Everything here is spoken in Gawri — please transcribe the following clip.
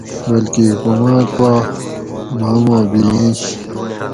بلکہ حکوماۤت پا ما ما بِھئینش